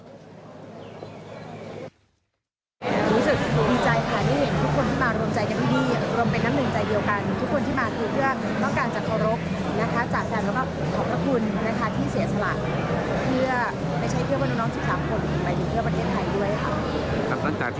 รู้สึกดีใจค่ะได้เห็นทุกคนที่มารวมใจกันดี